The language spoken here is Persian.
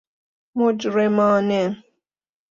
مجرمانه